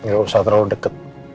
gak usah terlalu deket